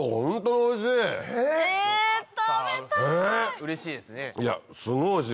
うれしいですね。